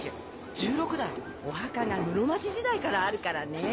１６代⁉お墓が室町時代からあるからね。